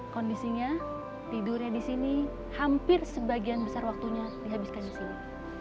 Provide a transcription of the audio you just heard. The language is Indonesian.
kondisinya tidurnya di sini hampir sebagian besar waktunya dihabiskan di sini